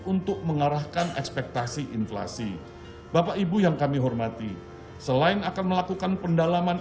untuk mengarahkan ekspektasi inflasi bapak ibu yang kami hormati selain akan melakukan pendalaman